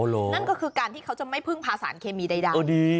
นั่นก็คือการที่เขาจะไม่พึ่งพาสารเคมีใด